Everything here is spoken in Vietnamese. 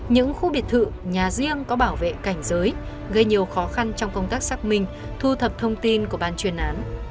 những khu biệt thự nhà riêng có bảo vệ cảnh giới gây nhiều khó khăn trong công tác xác minh thu thập thông tin của ban chuyên án